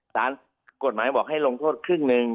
สารกฎหมายบอกให้ลงโทษครึ่งหนึ่ง